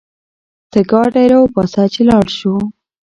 ته ګاډی راوباسه چې لاړ شو